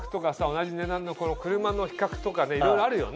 同じ値段の車の比較とかいろいろあるよね。